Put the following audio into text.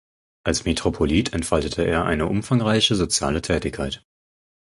Als Metropolit entfaltete er eine umfangreiche soziale Tätigkeit.